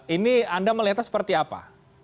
ini anda melihatnya seperti apa